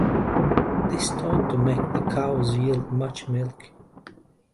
This is thought to make the cows yield much milk.